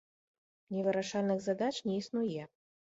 Невырашальных задач не існуе.